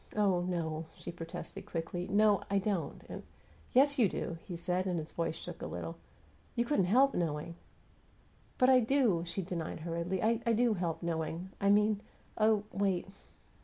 "Oh, no," she protested, quickly. "No, I don't, and " "Yes, you do," he said, and his voice shook a little. "You couldn't help knowing." "But I do!" she denied, hurriedly. "I do help knowing. I mean Oh, wait!"